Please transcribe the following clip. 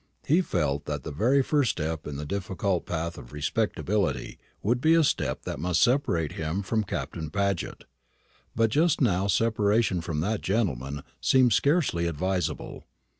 He felt that the very first step in the difficult path of respectability would be a step that must separate him from Captain Paget; but just now separation from that gentleman seemed scarcely advisable.